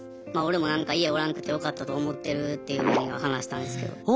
まあ「俺もなんか家おらんくてよかったと思ってる」っていうふうには話したんですけど。